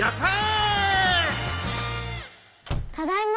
ただいま。